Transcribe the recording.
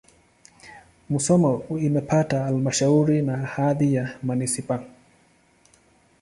Musoma imepata halmashauri na hadhi ya manisipaa.